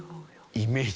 イメージ